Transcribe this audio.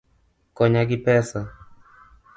Konya gi pesa